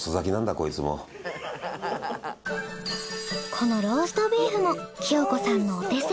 このローストビーフもきよ子さんのお手製。